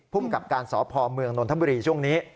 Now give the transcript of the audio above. ภูมิกับการสพเมืองนนทบุรีช่วงนี้